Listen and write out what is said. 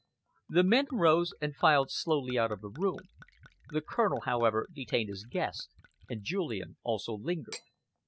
The men rose and filed slowly out of the room. The Colonel, however, detained his host, and Julian also lingered.